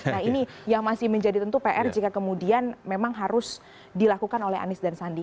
nah ini yang masih menjadi tentu pr jika kemudian memang harus dilakukan oleh anies dan sandi